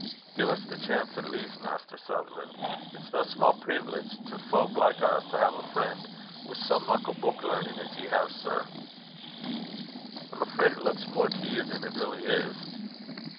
"Gie us the chance at least, Maister Sutherlan'. It's no sma' preevilege to fowk like us to hae a frien' wi' sae muckle buik learnin' as ye hae, sir." "I am afraid it looks more to you than it really is."